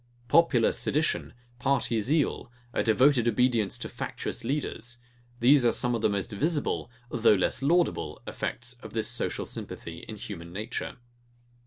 Popular sedition, party zeal, a devoted obedience to factious leaders; these are some of the most visible, though less laudable effects of this social sympathy in human nature.